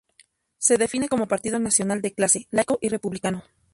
Se define como partido nacional, de clase, laico y republicano.